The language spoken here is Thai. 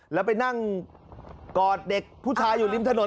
แล้วไปนั่งกอดเด็กผู้ชายอยู่ริมถนน